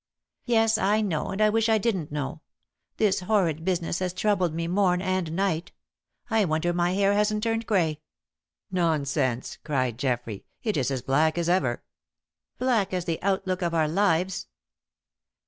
"Yes, I know, and I wish I didn't know! This horrid business has troubled me morn and night. I wonder my hair hasn't turned grey!" "Nonsense!" cried Geoffrey. "It is as black as ever." "Black as the outlook of our lives."